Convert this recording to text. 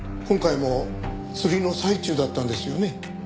今回も釣りの最中だったんですよね？